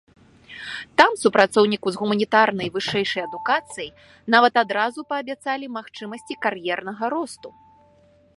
Там супрацоўніку з гуманітарнай вышэйшай адукацыяй нават адразу паабяцалі магчымасці кар'ернага росту.